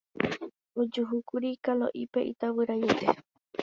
Ojuhúkuri Kalo'ípe itavyraiete.